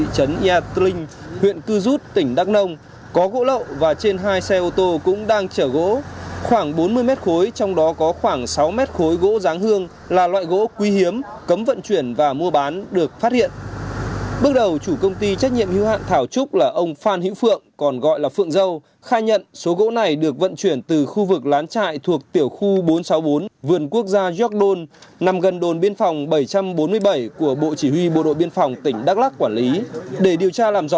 quá trình kiểm tra tại khu lán trại của người chủ có tên phan hữu phượng ở tiểu khu bốn trăm sáu mươi bốn vườn quốc gia giọc đôn nằm gần đồn biên phòng bảy trăm bốn mươi bảy của bộ chỉ huy bộ đội biên phòng tỉnh đắk lắc